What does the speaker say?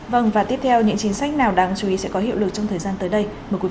vâng và tiếp theo những chính sách nào đáng chú ý sẽ có hiệu lực trong thời gian tới đây